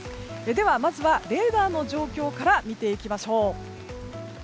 ではまずはレーダーの状況から見ていきましょう。